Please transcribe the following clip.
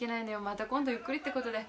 また今度ゆっくりってことで。